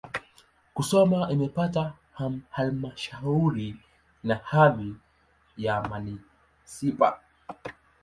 Musoma imepata halmashauri na hadhi ya manisipaa.